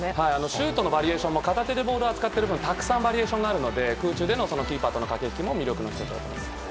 シュートのバリエーションも片手で扱っているので、たくさんバリエーションがあるので空中でのキーパーとの駆け引きも魅力です。